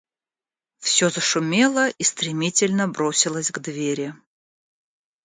Всё зашумело и стремительно бросилось к двери.